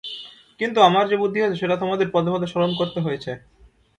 কিন্তু, আমার যে বুদ্ধি আছে, সেটা তোমাদের পদে পদে স্মরণ করতে হয়েছে।